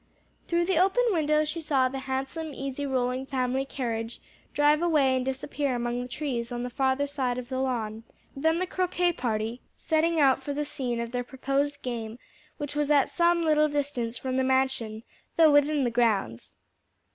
Through the open window she saw the handsome, easy rolling family carriage drive away and disappear among the trees on the farther side of the lawn; then the croquet party setting out for the scene of their proposed game, which was at some little distance from the mansion, though within the grounds.